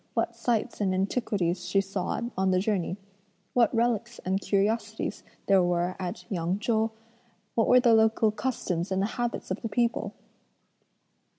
what sights and antiquities she saw on the journey? what relics and curiosities there were at Yang Chou? what were the local customs and the habits of the people?"